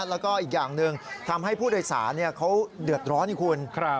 แล้วก็อีกอย่างหนึ่งทำให้ผู้โดยสารเขาเดือดร้อนให้คุณ